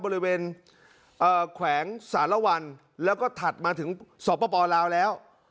บริเวณแขวงสารวัลแล้วก็ถัดมาถึงสปลาวแล้ว